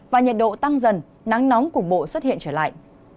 và nhiệt độ tăng dần nắng nóng cục bộ xuất hiện trở lại